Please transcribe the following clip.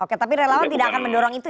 oke tapi relawan tidak akan mendorong itu